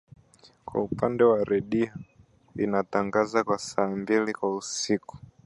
Kwa upande wa redio inatangaza kwa saa mbili kwa siku